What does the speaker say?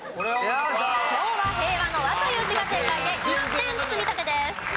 昭和平和の「和」という字が正解で１点積み立てです。